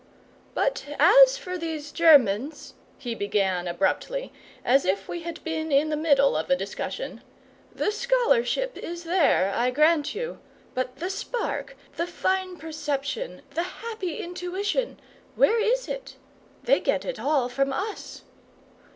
"But as for these Germans," he began abruptly, as if we had been in the middle of a discussion, "the scholarship is there, I grant you; but the spark, the fine perception, the happy intuition, where is it? They get it all from us!"